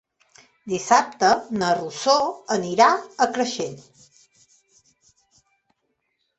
Dissabte na Rosó anirà a Creixell.